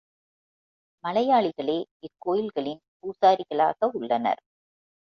மலையாளிகளே இக்கோயில்களின் பூசாரிகளாக உள்ளனர்.